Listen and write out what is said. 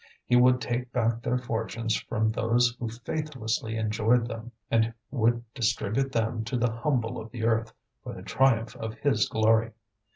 He would take back their fortunes from those who faithlessly enjoyed them, and would distribute them to the humble of the earth for the triumph of His glory.